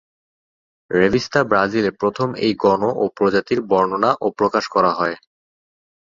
রেভিস্তা ব্রাজিলে প্রথম এই গণ ও প্রজাতির বর্ণনা ও প্রকাশ করা হয়।